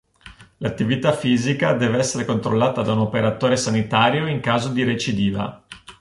L'attività fisica deve essere controllata da un operatore sanitario in caso di recidiva.